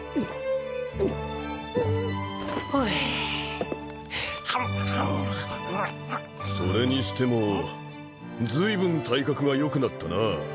ふへそれにしても随分体格がよくなったな